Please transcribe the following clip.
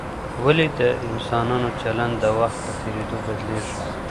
ولي د انسانانو چلند د وخت په تېرېدو بدلیږي؟